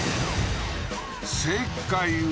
正解は？